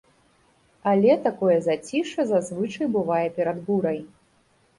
Але такое зацішша, зазвычай, бывае перад бурай.